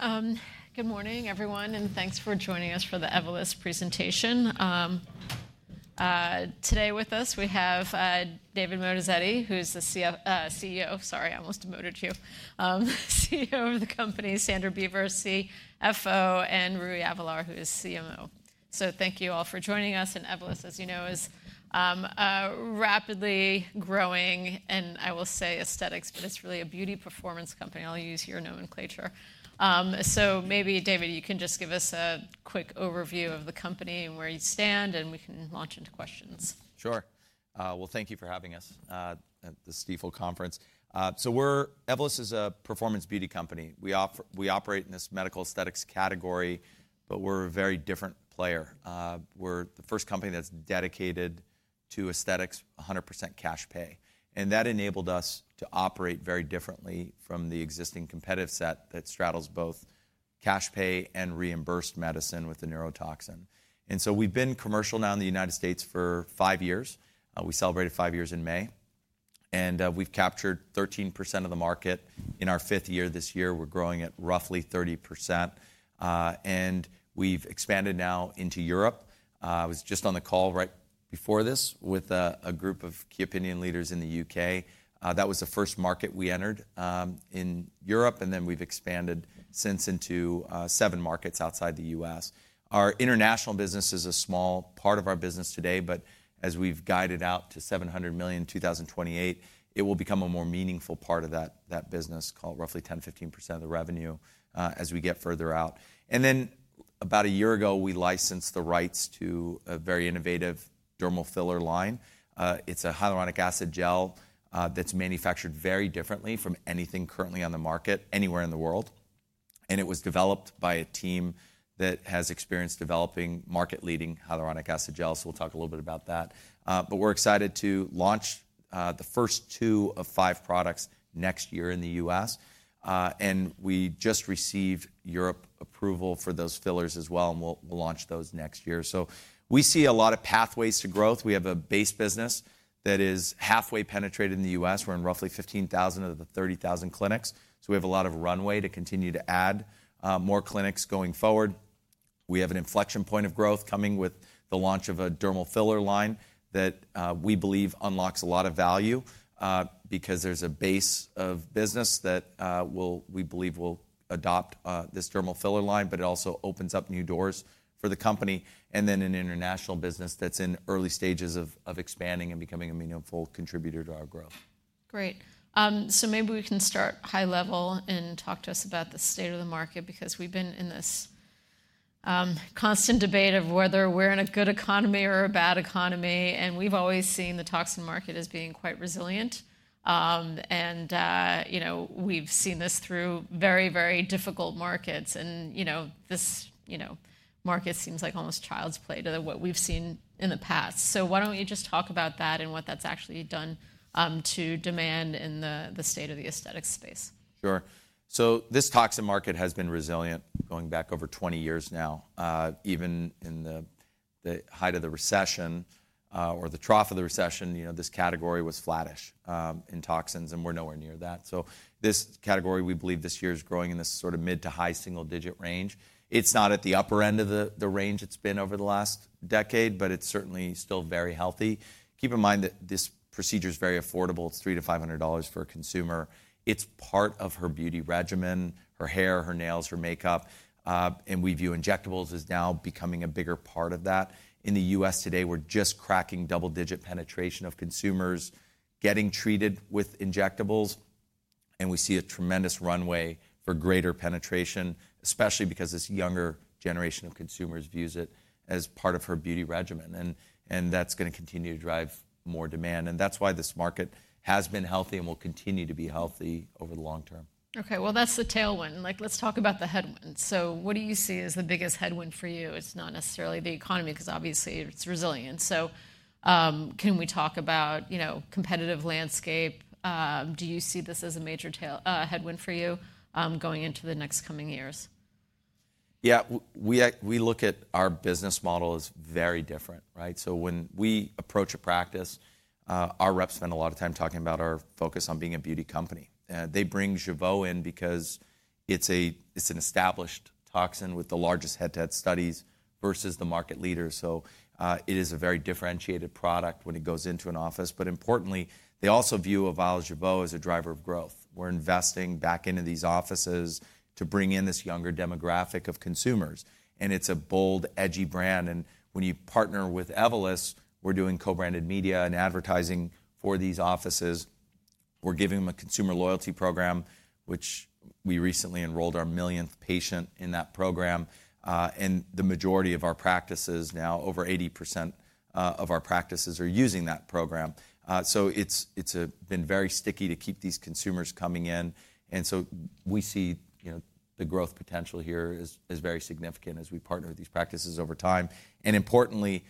All right. Good morning, everyone, and thanks for joining us for the Evolus presentation. Today with us, we have David Moatazedi, who's the CEO (sorry, I almost demoted you) CEO of the company, Sandra Beaver, CFO, and Rui Avelar, who is CMO. So thank you all for joining us. And Evolus, as you know, is a rapidly growing, and I will say aesthetics, but it's really a beauty performance company. I'll use your nomenclature. So maybe, David, you can just give us a quick overview of the company and where you stand, and we can launch into questions. Sure, well, thank you for having us at this Stifel conference. Evolus is a performance beauty company. We operate in this medical aesthetics category, but we're a very different player. We're the first company that's dedicated to aesthetics, 100% cash pay. That enabled us to operate very differently from the existing competitive set that straddles both cash pay and reimbursed medicine with the neurotoxin. We've been commercial now in the United States for five years. We celebrated five years in May. We've captured 13% of the market. In our fifth year this year, we're growing at roughly 30%. We've expanded now into Europe. I was just on the call right before this with a group of key opinion leaders in the U.K. That was the first market we entered in Europe, and then we've expanded since into seven markets outside the U.S. Our international business is a small part of our business today, but as we've guided out to $700 million in 2028, it will become a more meaningful part of that business, roughly 10%-15% of the revenue as we get further out. And then about a year ago, we licensed the rights to a very innovative dermal filler line. It's a hyaluronic acid gel that's manufactured very differently from anything currently on the market anywhere in the world. And it was developed by a team that has experience developing market-leading hyaluronic acid gels. We'll talk a little bit about that. But we're excited to launch the first two of five products next year in the U.S. And we just received European approval for those fillers as well, and we'll launch those next year. So we see a lot of pathways to growth. We have a base business that is halfway penetrated in the U.S. We're in roughly 15,000 of the 30,000 clinics. So we have a lot of runway to continue to add more clinics going forward. We have an inflection point of growth coming with the launch of a dermal filler line that we believe unlocks a lot of value because there's a base of business that we believe will adopt this dermal filler line, but it also opens up new doors for the company and then an international business that's in early stages of expanding and becoming a meaningful contributor to our growth. Great. So maybe we can start high level and talk to us about the state of the market because we've been in this constant debate of whether we're in a good economy or a bad economy. And we've always seen the toxin market as being quite resilient. And we've seen this through very, very difficult markets. And this market seems like almost child's play to what we've seen in the past. So why don't you just talk about that and what that's actually done to demand in the state of the aesthetics space? Sure. So this toxin market has been resilient going back over 20 years now. Even in the height of the recession or the trough of the recession, this category was flattish in toxins, and we're nowhere near that. So this category, we believe, this year is growing in this sort of mid to high single-digit range. It's not at the upper end of the range it's been over the last decade, but it's certainly still very healthy. Keep in mind that this procedure is very affordable. It's $300-$500 for a consumer. It's part of her beauty regimen, her hair, her nails, her makeup. And we view injectables as now becoming a bigger part of that. In the U.S. today, we're just cracking double-digit penetration of consumers getting treated with injectables. We see a tremendous runway for greater penetration, especially because this younger generation of consumers views it as part of her beauty regimen. That's going to continue to drive more demand. That's why this market has been healthy and will continue to be healthy over the long term. Okay. Well, that's the tailwind. Let's talk about the headwinds. So what do you see as the biggest headwind for you? It's not necessarily the economy because obviously it's resilient. So can we talk about competitive landscape? Do you see this as a major headwind for you going into the next coming years? Yeah. We look at our business model as very different, so when we approach a practice, our reps spend a lot of time talking about our focus on being a beauty company. They bring Jeuveau in because it's an established toxin with the largest head-to-head studies versus the market leaders, so it is a very differentiated product when it goes into an office, but importantly, they also view our Jeuveau as a driver of growth. We're investing back into these offices to bring in this younger demographic of consumers, and it's a bold, edgy brand, and when you partner with Evolus, we're doing co-branded media and advertising for these offices. We're giving them a consumer loyalty program, which we recently enrolled our millionth patient in that program, and the majority of our practices, now over 80% of our practices, are using that program. So it's been very sticky to keep these consumers coming in. And so we see the growth potential here is very significant as we partner with these practices over time. And importantly,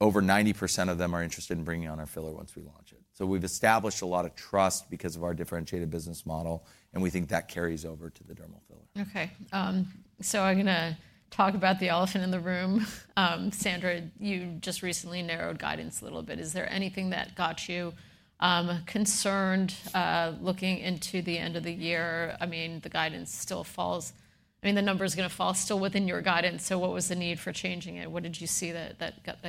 over 90% of them are interested in bringing on our filler once we launch it. So we've established a lot of trust because of our differentiated business model. And we think that carries over to the dermal filler. Okay. So I'm going to talk about the elephant in the room. Sandra, you just recently narrowed guidance a little bit. Is there anything that got you concerned looking into the end of the year? I mean, the guidance still falls. I mean, the number is going to fall still within your guidance. So what was the need for changing it? What did you see that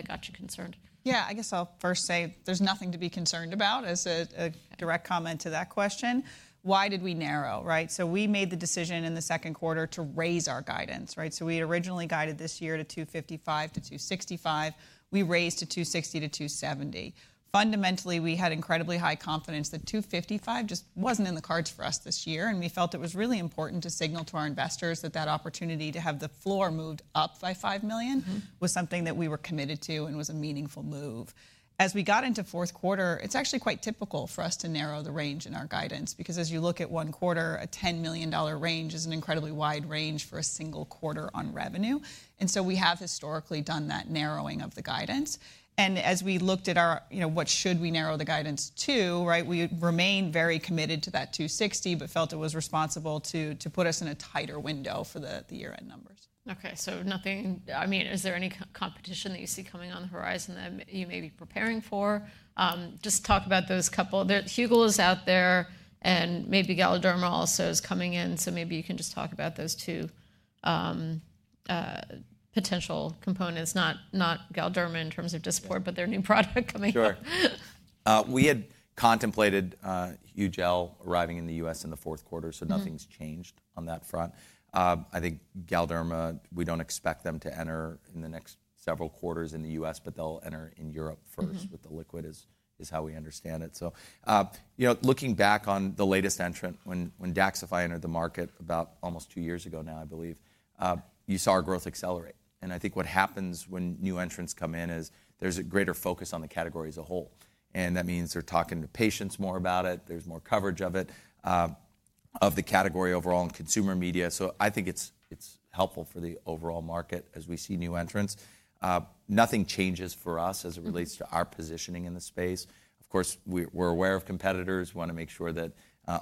got you concerned? Yeah, I guess I'll first say there's nothing to be concerned about as a direct comment to that question. Why did we narrow? So we made the decision in the second quarter to raise our guidance. So we had originally guided this year to $255-$265. We raised to $260-$270. Fundamentally, we had incredibly high confidence that $255 just wasn't in the cards for us this year. And we felt it was really important to signal to our investors that that opportunity to have the floor moved up by $5 million was something that we were committed to and was a meaningful move. As we got into fourth quarter, it's actually quite typical for us to narrow the range in our guidance because as you look at one quarter, a $10 million range is an incredibly wide range for a single quarter on revenue. And so we have historically done that narrowing of the guidance. And as we looked at what should we narrow the guidance to, we remained very committed to that $260 but felt it was responsible to put us in a tighter window for the year-end numbers. Okay. So nothing, I mean, is there any competition that you see coming on the horizon that you may be preparing for? Just talk about those couple. Hugel is out there and maybe Galderma also is coming in. So maybe you can just talk about those two potential competitors, not Galderma in terms of competition, but their new product coming out. Sure. We had contemplated Hugel arriving in the U.S. in the fourth quarter. So nothing's changed on that front. I think Galderma, we don't expect them to enter in the next several quarters in the U.S., but they'll enter in Europe first with the liquid is how we understand it. So looking back on the latest entrant, when Daxxify entered the market about almost two years ago now, I believe, you saw our growth accelerate. And I think what happens when new entrants come in is there's a greater focus on the category as a whole. And that means they're talking to patients more about it. There's more coverage of it, of the category overall in consumer media. So I think it's helpful for the overall market as we see new entrants. Nothing changes for us as it relates to our positioning in the space. Of course, we're aware of competitors. We want to make sure that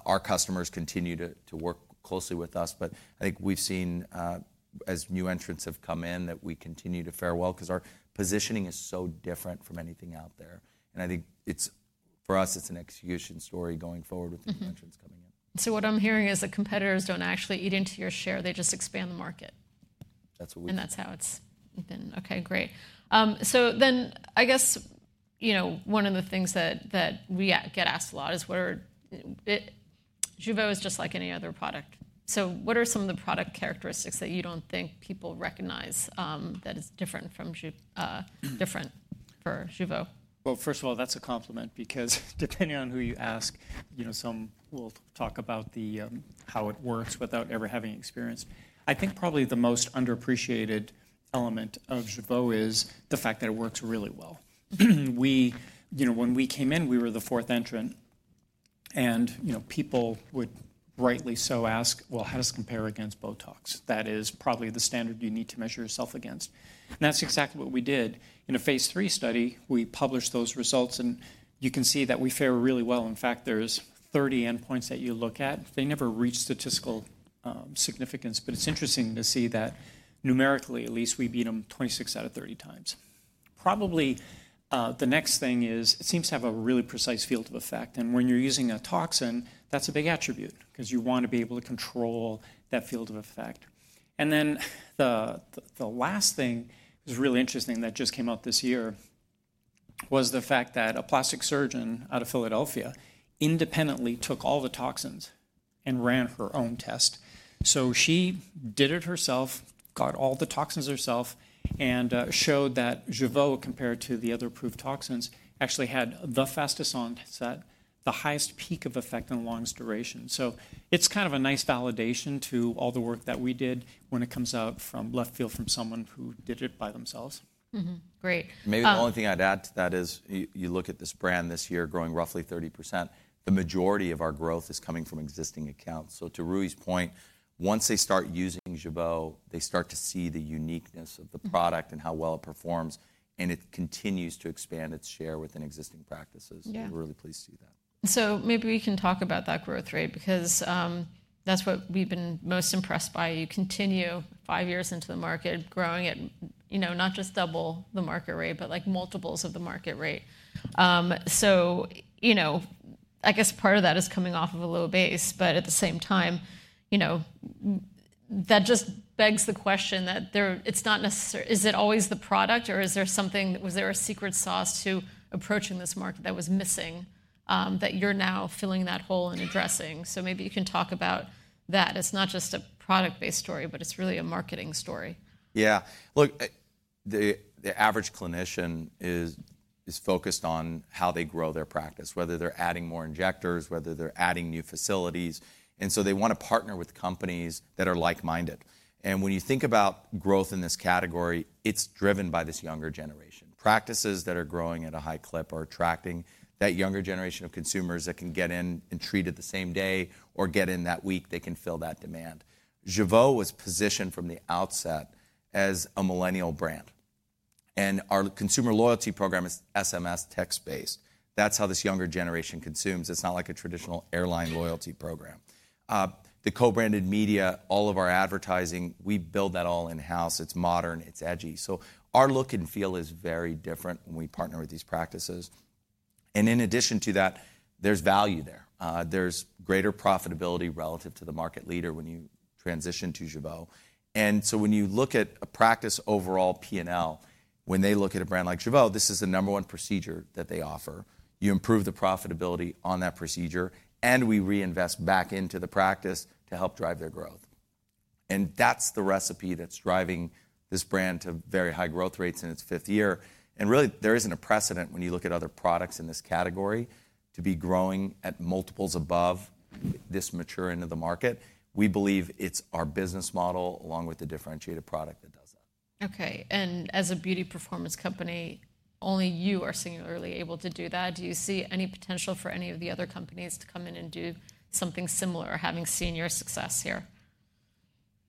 our customers continue to work closely with us. But I think we've seen as new entrants have come in that we continue to fare well because our positioning is so different from anything out there. And I think for us, it's an execution story going forward with new entrants coming in. So what I'm hearing is that competitors don't actually eat into your share. They just expand the market. That's what we've seen. That's how it's been. Okay, great. I guess one of the things that we get asked a lot is Jeuveau is just like any other product. What are some of the product characteristics that you don't think people recognize that is different for Jeuveau? First of all, that's a compliment because depending on who you ask, some will talk about how it works without ever having experience. I think probably the most underappreciated element of Jeuveau is the fact that it works really well. When we came in, we were the fourth entrant. People would rightly so ask, well, how does it compare against Botox? That is probably the standard you need to measure yourself against. That's exactly what we did. In a phase III study, we published those results. You can see that we fare really well. In fact, there's 30 endpoints that you look at. They never reach statistical significance. It's interesting to see that numerically, at least we beat them 26 out of 30 times. Probably the next thing is it seems to have a really precise field of effect. And when you're using a toxin, that's a big attribute because you want to be able to control that field of effect. And then the last thing is really interesting that just came out this year was the fact that a plastic surgeon out of Philadelphia independently took all the toxins and ran her own test. So she did it herself, got all the toxins herself, and showed that Jeuveau, compared to the other approved toxins, actually had the fastest onset, the highest peak of effect and longest duration. So it's kind of a nice validation to all the work that we did when it comes out from left field from someone who did it by themselves. Great. Maybe the only thing I'd add to that is you look at this brand this year growing roughly 30%. The majority of our growth is coming from existing accounts, so to Rui's point, once they start using Jeuveau, they start to see the uniqueness of the product and how well it performs, and it continues to expand its share within existing practices. We're really pleased to see that. So maybe we can talk about that growth rate because that's what we've been most impressed by. You continue five years into the market, growing at not just double the market rate, but multiples of the market rate. So I guess part of that is coming off of a low base. But at the same time, that just begs the question that it's not necessarily, is it always the product or was there a secret sauce to approaching this market that was missing that you're now filling that hole and addressing? So maybe you can talk about that. It's not just a product-based story, but it's really a marketing story. Yeah. Look, the average clinician is focused on how they grow their practice, whether they're adding more injectors, whether they're adding new facilities. And so they want to partner with companies that are like-minded. And when you think about growth in this category, it's driven by this younger generation. Practices that are growing at a high clip are attracting that younger generation of consumers that can get in and treat it the same day or get in that week. They can fill that demand. Jeuveau was positioned from the outset as a millennial brand. And our consumer loyalty program is SMS text-based. That's how this younger generation consumes. It's not like a traditional airline loyalty program. The co-branded media, all of our advertising, we build that all in-house. It's modern. It's edgy. So our look and feel is very different when we partner with these practices. And in addition to that, there's value there. There's greater profitability relative to the market leader when you transition to Jeuveau. And so when you look at a practice overall P&L, when they look at a brand like Jeuveau, this is the number one procedure that they offer. You improve the profitability on that procedure, and we reinvest back into the practice to help drive their growth. And that's the recipe that's driving this brand to very high growth rates in its fifth year. And really, there isn't a precedent when you look at other products in this category to be growing at multiples above this mature into the market. We believe it's our business model along with the differentiated product that does that. Okay, and as a performance beauty company, only you are singularly able to do that. Do you see any potential for any of the other companies to come in and do something similar having seen your success here?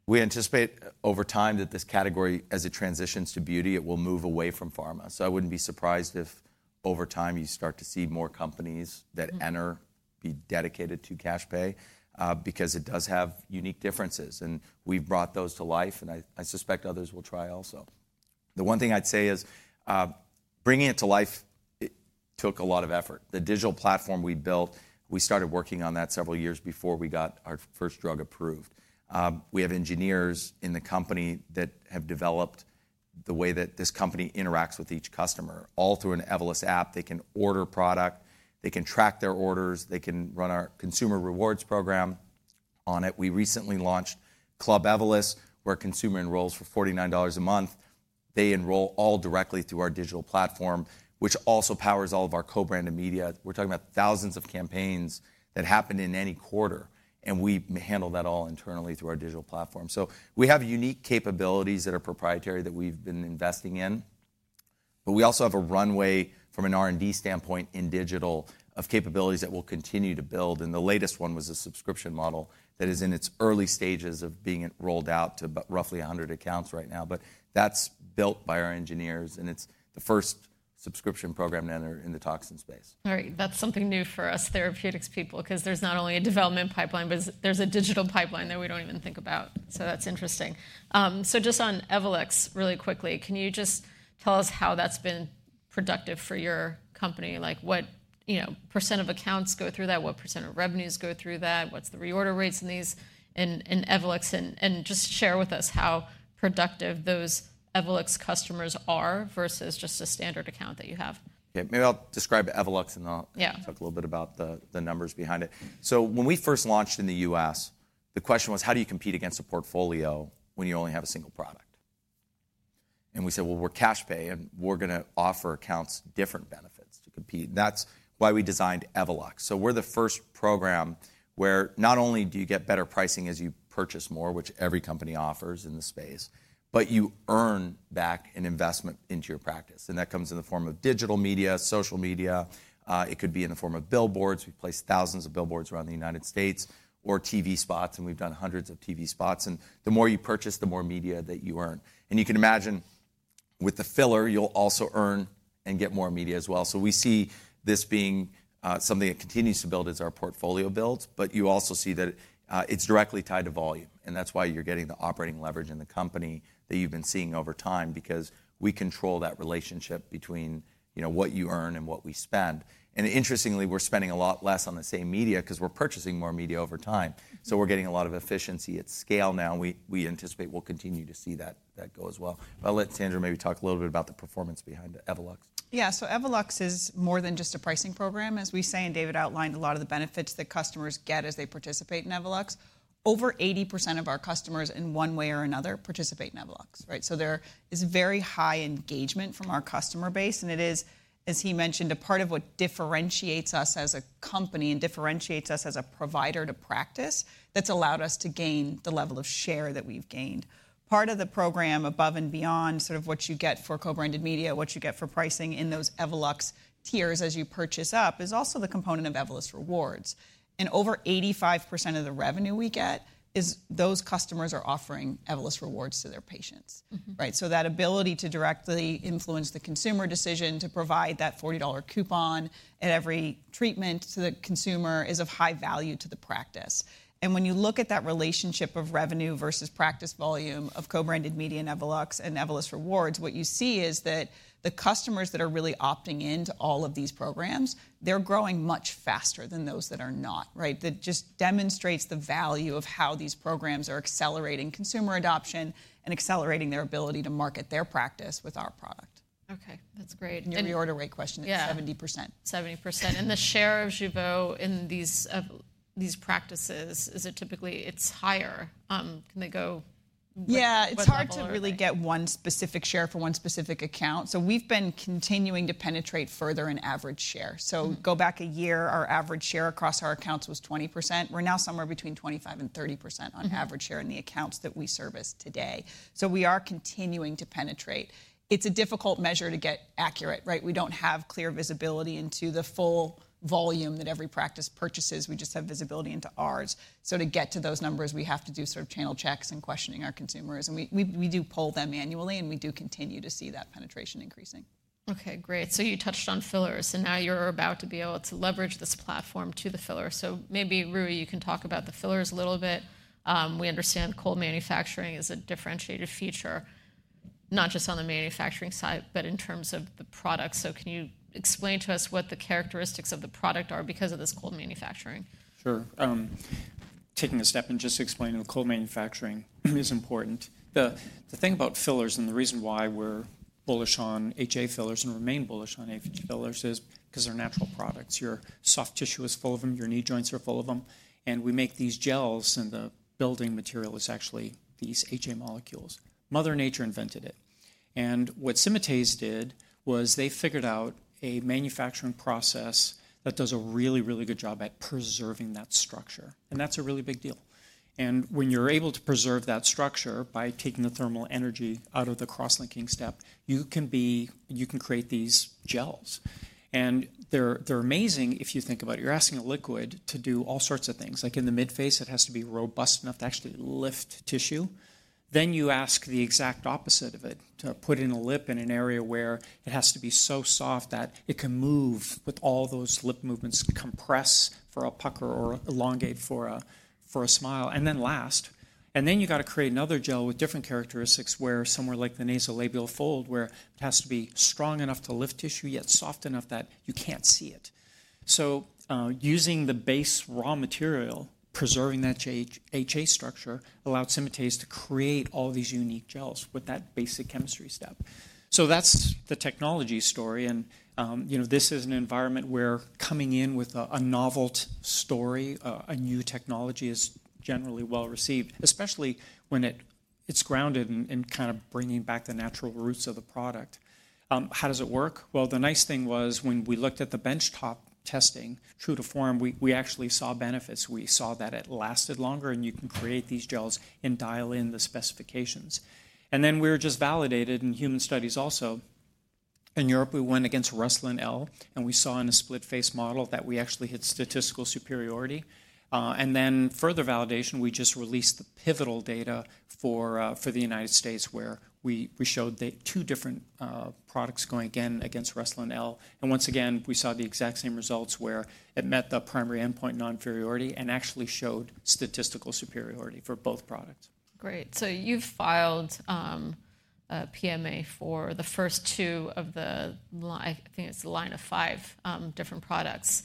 We anticipate over time that this category, as it transitions to beauty, it will move away from pharma, so I wouldn't be surprised if over time you start to see more companies that enter to be dedicated to cash pay because it does have unique differences, and we've brought those to life, and I suspect others will try also. The one thing I'd say is bringing it to life took a lot of effort. The digital platform we built, we started working on that several years before we got our first drug approved. We have engineers in the company that have developed the way that this company interacts with each customer all through an Evolus app. They can order product. They can track their orders. They can run our consumer rewards program on it. We recently launched Club Evolus, where a consumer enrolls for $49 a month. They enroll all directly through our digital platform, which also powers all of our co-branded media. We're talking about thousands of campaigns that happen in any quarter. And we handle that all internally through our digital platform. So we have unique capabilities that are proprietary that we've been investing in. But we also have a runway from an R&D standpoint in digital of capabilities that we'll continue to build. And the latest one was a subscription model that is in its early stages of being rolled out to roughly 100 accounts right now. But that's built by our engineers. And it's the first subscription program to enter in the toxin space. All right. That's something new for us therapeutics people because there's not only a development pipeline, but there's a digital pipeline that we don't even think about. So that's interesting. So just on Evolus, really quickly, can you just tell us how that's been productive for your company? What percent of accounts go through that? What percent of revenues go through that? What's the reorder rates in these in Evolus? And just share with us how productive those Evolus customers are versus just a standard account that you have? Okay. Maybe I'll describe Evolus and talk a little bit about the numbers behind it. So when we first launched in the U.S., the question was, how do you compete against a portfolio when you only have a single product? And we said, well, we're cash pay, and we're going to offer accounts different benefits to compete. That's why we designed Evolus. So we're the first program where not only do you get better pricing as you purchase more, which every company offers in the space, but you earn back an investment into your practice. And that comes in the form of digital media, social media. It could be in the form of billboards. We've placed thousands of billboards around the United States or TV spots. And we've done hundreds of TV spots. And the more you purchase, the more media that you earn. You can imagine with the filler, you'll also earn and get more media as well. So we see this being something that continues to build as our portfolio builds. But you also see that it's directly tied to volume. And that's why you're getting the operating leverage in the company that you've been seeing over time because we control that relationship between what you earn and what we spend. And interestingly, we're spending a lot less on the same media because we're purchasing more media over time. So we're getting a lot of efficiency at scale now. We anticipate we'll continue to see that grow as well. But I'll let Sandra talk a little bit about the performance of Evolus. Yeah. So Evolus is more than just a pricing program. As we say, and David outlined a lot of the benefits that customers get as they participate in Evolus. Over 80% of our customers in one way or another participate in Evolus. So there is very high engagement from our customer base. And it is, as he mentioned, a part of what differentiates us as a company and differentiates us as a provider to practice that's allowed us to gain the level of share that we've gained. Part of the program above and beyond sort of what you get for co-branded media, what you get for pricing in those Evolus tiers as you purchase up is also the component of Evolus Rewards. And over 85% of the revenue we get is those customers are offering Evolus Rewards to their patients. So that ability to directly influence the consumer decision to provide that $40 coupon at every treatment to the consumer is of high value to the practice. And when you look at that relationship of revenue versus practice volume of co-branded media and Evolus and Evolus Rewards, what you see is that the customers that are really opting into all of these programs, they're growing much faster than those that are not. That just demonstrates the value of how these programs are accelerating consumer adoption and accelerating their ability to market their practice with our product. Okay. That's great. The reorder rate question, it's 70%. 70%. And the share of Jeuveau in these practices, is it typically it's higher. Can they go? Yeah. It's hard to really get one specific share for one specific account. So we've been continuing to penetrate further in average share. So go back a year, our average share across our accounts was 20%. We're now somewhere between 25% and 30% on average share in the accounts that we service today. So we are continuing to penetrate. It's a difficult measure to get accurate. We don't have clear visibility into the full volume that every practice purchases. We just have visibility into ours. So to get to those numbers, we have to do sort of channel checks and questioning our consumers. And we do poll them annually. And we do continue to see that penetration increasing. Okay. Great. So you touched on fillers. Now you're about to be able to leverage this platform to the filler. Maybe, Rui, you can talk about the fillers a little bit. We understand cold manufacturing is a differentiated feature, not just on the manufacturing side, but in terms of the product. Can you explain to us what the characteristics of the product are because of this cold manufacturing? Sure. Taking a step and just explaining the cold manufacturing is important. The thing about fillers and the reason why we're bullish on HA fillers and remain bullish on HA fillers is because they're natural products. Your soft tissue is full of them. Your knee joints are full of them, and we make these gels, and the building material is actually these HA molecules. Mother Nature invented it, and what Symatese did was they figured out a manufacturing process that does a really, really good job at preserving that structure, and that's a really big deal, and when you're able to preserve that structure by taking the thermal energy out of the cross-linking step, you can create these gels, and they're amazing if you think about it. You're asking a liquid to do all sorts of things. Like in the midface, it has to be robust enough to actually lift tissue. Then you ask the exact opposite of it to put it in a lip in an area where it has to be so soft that it can move with all those lip movements, compress for a pucker or elongate for a smile. And then last, you've got to create another gel with different characteristics where somewhere like the nasolabial fold, where it has to be strong enough to lift tissue, yet soft enough that you can't see it. So using the base raw material, preserving that HA structure allowed Symatese to create all these unique gels with that basic chemistry step. So that's the technology story. This is an environment where coming in with a novel story, a new technology is generally well received, especially when it's grounded in kind of bringing back the natural roots of the product. How does it work? Well, the nice thing was when we looked at the benchtop testing, true to form, we actually saw benefits. We saw that it lasted longer. You can create these gels and dial in the specifications. Then we were just validated in human studies also. In Europe, we went against Restylane. We saw in a split-face model that we actually hit statistical superiority. Then, for further validation, we just released the pivotal data for the United States where we showed two different products going again against Restylane. Once again, we saw the exact same results where it met the primary endpoint non-inferiority and actually showed statistical superiority for both products. Great. So you've filed a PMA for the first two of the, I think it's the line of five different products.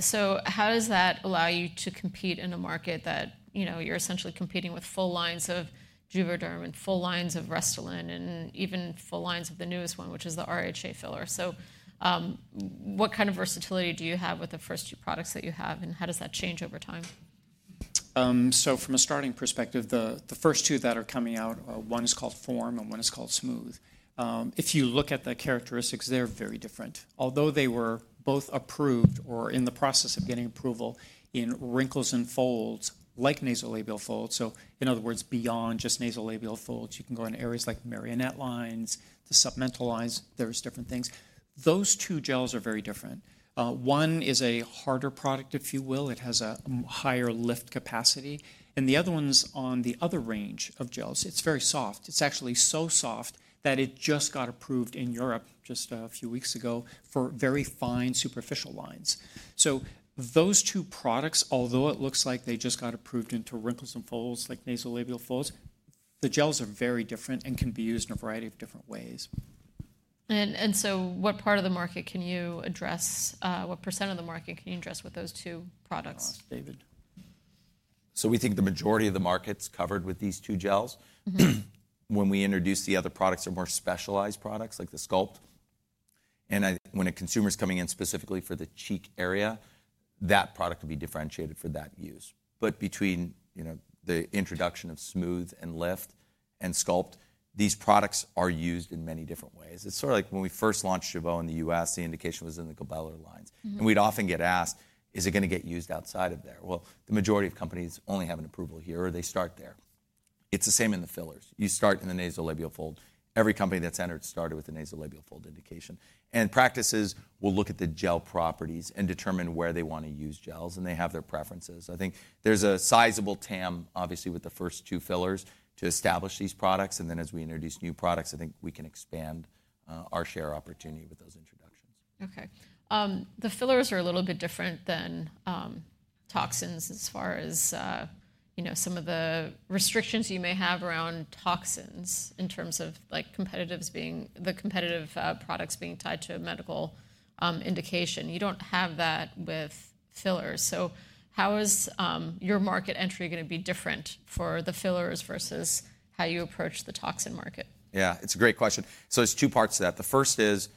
So how does that allow you to compete in a market that you're essentially competing with full lines of Juvederm and full lines of Restylane and even full lines of the newest one, which is the RHA filler? So what kind of versatility do you have with the first two products that you have? And how does that change over time? So from a starting perspective, the first two that are coming out, one is called Form and one is called Smooth. If you look at the characteristics, they're very different. Although they were both approved or in the process of getting approval in wrinkles and folds, like nasolabial folds, so in other words, beyond just nasolabial folds, you can go in areas like marionette lines, the submental lines. There's different things. Those two gels are very different. One is a harder product, if you will. It has a higher lift capacity. And the other one's on the other range of gels. It's very soft. It's actually so soft that it just got approved in Europe just a few weeks ago for very fine superficial lines. So those two products, although it looks like they just got approved into wrinkles and folds, like nasolabial folds, the gels are very different and can be used in a variety of different ways. What part of the market can you address? What percent of the market can you address with those two products? We think the majority of the market's covered with these two gels. When we introduce the other products, they're more specialized products like the Sculpt. When a consumer's coming in specifically for the cheek area, that product would be differentiated for that use. Between the introduction of Smooth and Lift and Sculpt, these products are used in many different ways. It's sort of like when we first launched Jeuveau in the U.S., the indication was in the glabellar lines. We'd often get asked, is it going to get used outside of there? The majority of companies only have an approval here, or they start there. It's the same in the fillers. You start in the nasolabial fold. Every company that's entered started with the nasolabial fold indication. Practices will look at the gel properties and determine where they want to use gels. They have their preferences. I think there's a sizable TAM, obviously, with the first two fillers to establish these products. Then as we introduce new products, I think we can expand our share opportunity with those introductions. Okay. The fillers are a little bit different than toxins as far as some of the restrictions you may have around toxins in terms of the competitive products being tied to a medical indication. You don't have that with fillers. So how is your market entry going to be different for the fillers versus how you approach the toxin market? Yeah. It's a great question. So there's two parts to that. The first is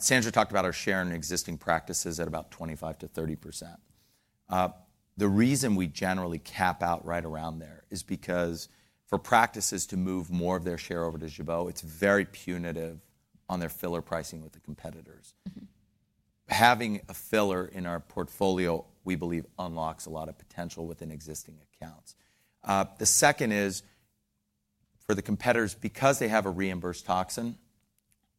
Sandra talked about our share in existing practices at about 25%-30%. The reason we generally cap out right around there is because for practices to move more of their share over to Jeuveau, it's very punitive on their filler pricing with the competitors. Having a filler in our portfolio, we believe, unlocks a lot of potential within existing accounts. The second is for the competitors, because they have a reimbursed toxin,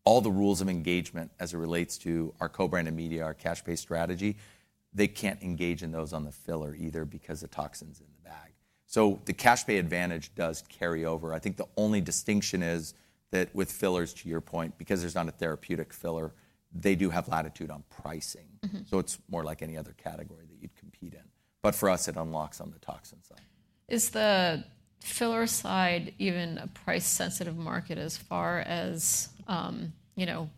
all the rules of engagement as it relates to our co-branded media, our cash pay strategy, they can't engage in those on the filler either because the toxin's in the bag. So the cash pay advantage does carry over. I think the only distinction is that with fillers, to your point, because there's not a therapeutic filler, they do have latitude on pricing. So it's more like any other category that you'd compete in. But for us, it unlocks on the toxin side. Is the filler side even a price-sensitive market as far as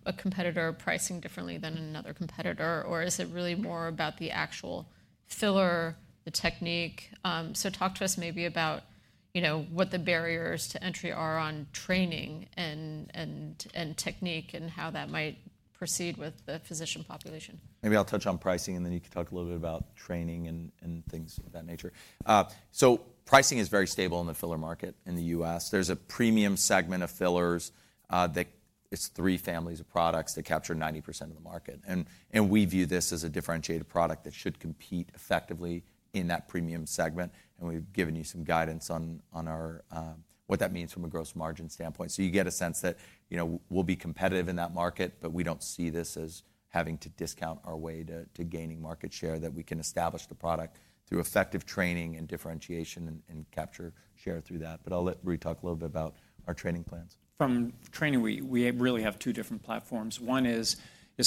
a competitor pricing differently than another competitor? Or is it really more about the actual filler, the technique? So talk to us maybe about what the barriers to entry are on training and technique and how that might proceed with the physician population. Maybe I'll touch on pricing, and then you can talk a little bit about training and things of that nature, so pricing is very stable in the filler market in the U.S. There's a premium segment of fillers that it's three families of products that capture 90% of the market, and we view this as a differentiated product that should compete effectively in that premium segment, and we've given you some guidance on what that means from a gross margin standpoint, so you get a sense that we'll be competitive in that market, but we don't see this as having to discount our way to gaining market share, that we can establish the product through effective training and differentiation and capture share through that, but I'll let Rui talk a little bit about our training plans. From training, we really have two different platforms. One is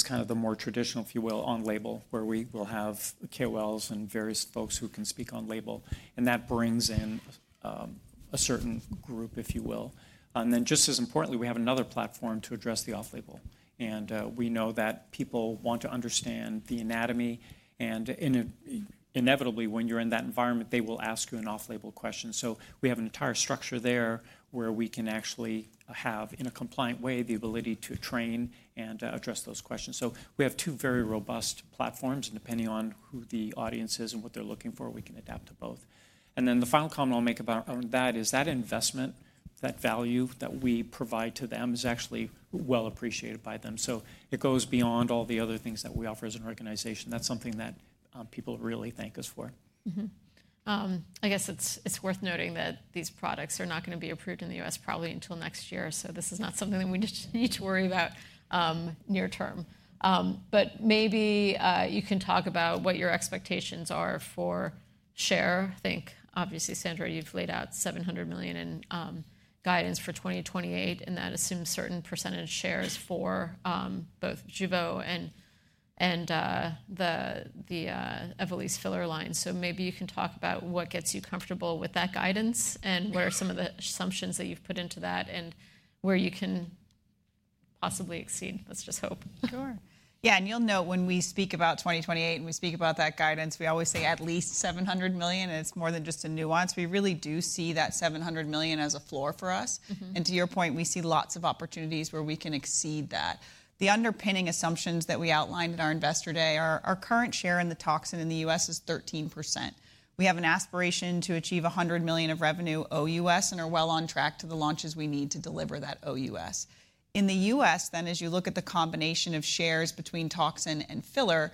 kind of the more traditional, if you will, on-label, where we will have KOLs and various folks who can speak on-label. And that brings in a certain group, if you will. And then just as importantly, we have another platform to address the off-label. And we know that people want to understand the anatomy. And inevitably, when you're in that environment, they will ask you an off-label question. So we have an entire structure there where we can actually have, in a compliant way, the ability to train and address those questions. So we have two very robust platforms. And depending on who the audience is and what they're looking for, we can adapt to both. And then the final comment I'll make on that is that investment, that value that we provide to them is actually well appreciated by them. So it goes beyond all the other things that we offer as an organization. That's something that people really thank us for. I guess it's worth noting that these products are not going to be approved in the U.S. probably until next year. So this is not something that we need to worry about near term. But maybe you can talk about what your expectations are for share. I think, obviously, Sandra, you've laid out $700 million in guidance for 2028. And that assumes certain percentage shares for both Jeuveau and the Evolysse filler line. So maybe you can talk about what gets you comfortable with that guidance and what are some of the assumptions that you've put into that and where you can possibly exceed. Let's just hope. Sure. Yeah. And you'll note when we speak about 2028 and we speak about that guidance, we always say at least $700 million. And it's more than just a nuance. We really do see that $700 million as a floor for us. And to your point, we see lots of opportunities where we can exceed that. The underpinning assumptions that we outlined in our investor day are our current share in the toxin in the U.S. is 13%. We have an aspiration to achieve $100 million of revenue OUS and are well on track to the launches we need to deliver that OUS. In the U.S., then, as you look at the combination of shares between toxin and filler,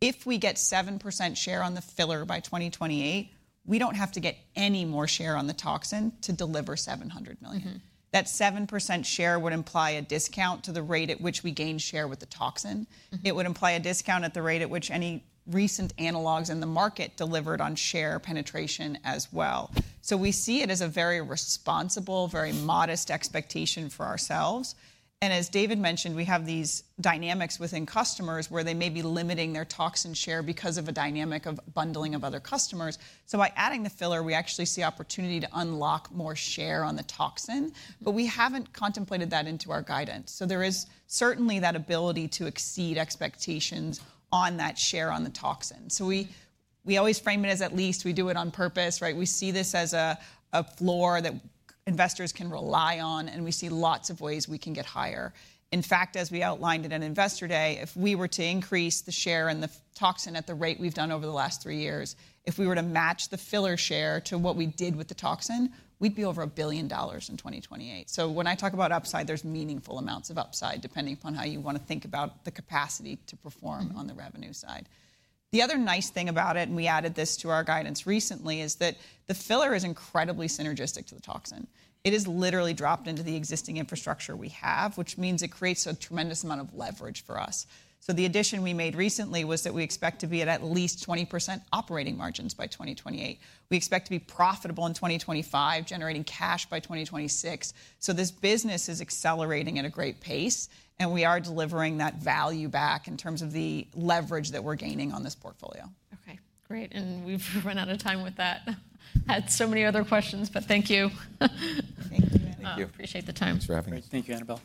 if we get 7% share on the filler by 2028, we don't have to get any more share on the toxin to deliver $700 million. That 7% share would imply a discount to the rate at which we gain share with the toxin. It would imply a discount at the rate at which any recent analogs in the market delivered on share penetration as well. So we see it as a very responsible, very modest expectation for ourselves. And as David mentioned, we have these dynamics within customers where they may be limiting their toxin share because of a dynamic of bundling of other customers. So by adding the filler, we actually see opportunity to unlock more share on the toxin. But we haven't contemplated that into our guidance. So there is certainly that ability to exceed expectations on that share on the toxin. So we always frame it as at least we do it on purpose. We see this as a floor that investors can rely on. And we see lots of ways we can get higher. In fact, as we outlined at an investor day, if we were to increase the share in the toxin at the rate we've done over the last three years, if we were to match the filler share to what we did with the toxin, we'd be over $1 billion in 2028. So when I talk about upside, there's meaningful amounts of upside depending upon how you want to think about the capacity to perform on the revenue side. The other nice thing about it, and we added this to our guidance recently, is that the filler is incredibly synergistic to the toxin. It is literally dropped into the existing infrastructure we have, which means it creates a tremendous amount of leverage for us. So the addition we made recently was that we expect to be at least 20% operating margins by 2028. We expect to be profitable in 2025, generating cash by 2026. So this business is accelerating at a great pace. And we are delivering that value back in terms of the leverage that we're gaining on this portfolio. Okay. Great. And we've run out of time with that. Had so many other questions. But thank you. Thank you. Appreciate the time. Thanks for having us. Thank you, Annabel.